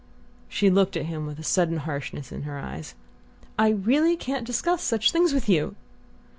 She looked at him with a sudden hardness in her eyes. "I really can't discuss such things with you."